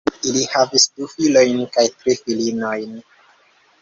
Ili havis du filojn kaj tri filinojn.